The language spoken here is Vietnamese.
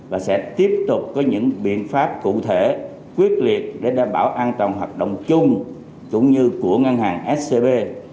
và sẽ tiếp tục có những biện pháp cụ thể quyết liệt để đảm bảo an toàn hoạt động chung cũng như của ngân hàng scb